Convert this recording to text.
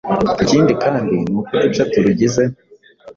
Ikindi kandi ni uko uduce turugize